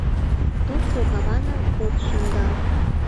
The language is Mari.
Тошто каваным от шындал.